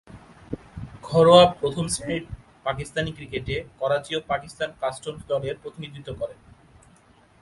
ঘরোয়া প্রথম-শ্রেণীর পাকিস্তানি ক্রিকেটে করাচি ও পাকিস্তান কাস্টমস দলের প্রতিনিধিত্ব করেন।